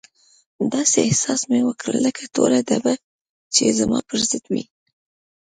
داسې احساس مې وکړ لکه ټوله ډبه چې زما پر ضد وي.